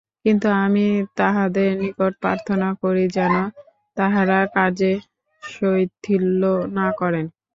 কিন্তু আমি তাঁহাদের নিকট প্রার্থনা করি, যেন তাঁহারা কার্যে শৈথিল্য না করেন।